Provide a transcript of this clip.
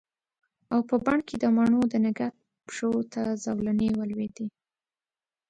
او په بڼ کې د مڼو د نګهت پښو ته زولنې ولویدې